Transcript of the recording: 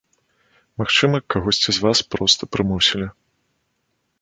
Магчыма, кагосьці з вас проста прымусілі.